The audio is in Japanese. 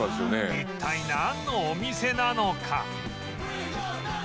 一体なんのお店なのか？